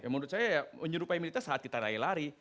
menurut saya menyerupai militer saat kita lari lari